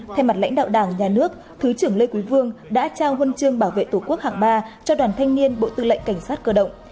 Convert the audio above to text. thay mặt lãnh đạo đảng nhà nước thứ trưởng lê quý vương đã trao huân chương bảo vệ tổ quốc hạng ba cho đoàn thanh niên bộ tư lệnh cảnh sát cơ động